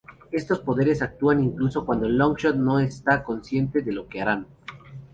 Estos poderes actúan incluso cuando Longshot no está consciente de que lo harán.